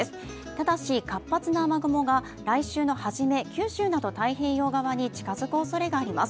ただし活発な雨雲が来週初め、九州など太平洋側に近づくおそれがあります。